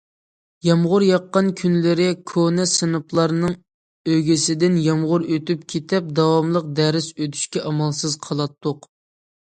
يامغۇر ياغقان كۈنلىرى كونا سىنىپلارنىڭ ئۆگزىسىدىن يامغۇر ئۆتۈپ كېتىپ، داۋاملىق دەرس ئۆتۈشكە ئامالسىز قالاتتۇق.